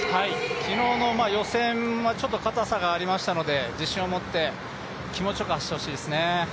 昨日の予選はちょっとかたさがありましたので、自信を持って気持ちよく走ってほしいですね。